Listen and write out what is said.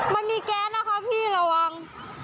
มันมีแก๊สนะคะพี่ระวัง